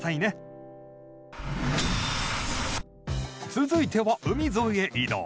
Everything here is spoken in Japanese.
続いては海沿いへ移動。